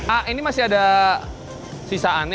a ini masih ada sisaannya